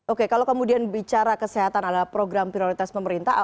oke kalau kemudian bicara kesehatan adalah program prioritas pemerintah